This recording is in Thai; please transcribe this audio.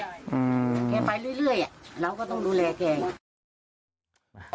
แกไปเรื่อยเราก็ต้องดูแลแก